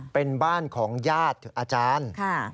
เป็นบ้านของญาติกับอาจารย์